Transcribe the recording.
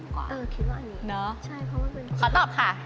ขอตอบค่ะ